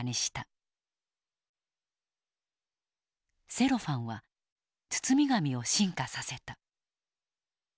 セロファンは包み紙を進化させた。